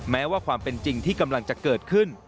แม้ว่าความเป็นจริงที่กำลังจะเกิดขึ้น